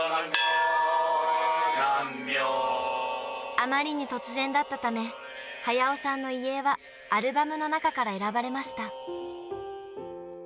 あまりに突然だったため、速夫さんの遺影はアルバムの中から選ばれました。